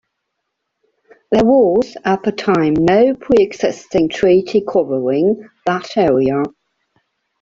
There was at the time no pre-existing treaty covering that area.